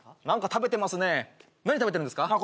何か食べてますね何食べてるんですか？